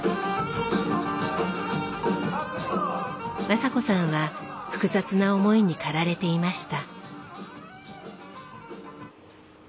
雅子さんは複雑な思いに駆られていました。